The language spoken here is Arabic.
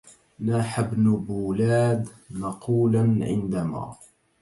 ناح ابن بولاد نقولا عندما